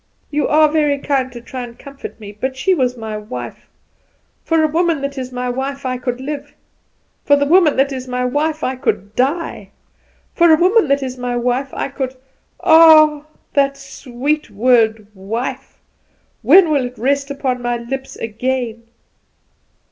You are very kind to try and comfort me, but she was my wife. For a woman that is my wife I could live; for the woman that is my wife I could die! For a woman that is my wife I could Ah! that sweet word 'wife'; when will it rest upon my lips again?"